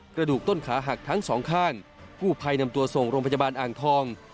กระดูกต้นขาหักทั้งสองข้างกู้ภัยนำตัวส่งโรงพยาบาลอ่างทอง